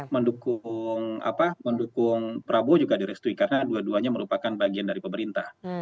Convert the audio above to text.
mendukung prabowo juga direstui karena dua duanya merupakan bagian dari pemerintah